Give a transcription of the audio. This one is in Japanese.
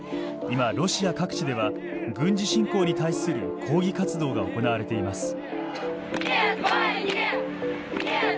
今、ロシア各地では軍事侵攻に対する抗議活動が行われています。